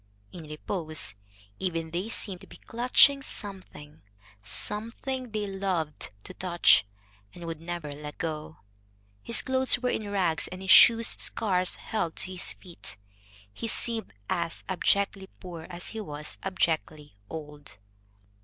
In repose, even, they seemed to be clutching something, something they loved to touch, and would never let go. His clothes were in rags and his shoes scarce held to his feet. He seemed as abjectly poor as he was abjectly old.